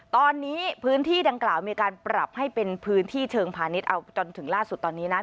ตอนนี้พื้นที่ดังกล่าวมีการปรับให้เป็นพื้นที่เชิงพาณิชย์เอาจนถึงล่าสุดตอนนี้นะ